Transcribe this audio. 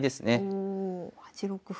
おお８六歩。